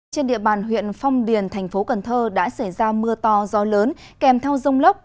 trên địa bàn huyện phong điền thành phố cần thơ đã xảy ra mưa to gió lớn kèm theo rông lốc